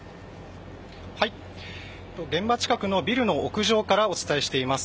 現場近くのビルの屋上からお伝えしています。